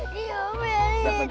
ya ampun ya ampun